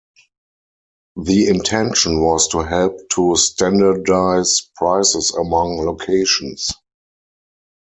The intention was to help to standardise prices among locations.